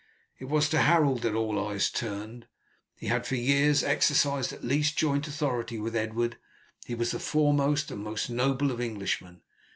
It was to Harold that all eyes turned. He had for years exercised at least joint authority with Edward; he was the foremost and most noble of Englishmen.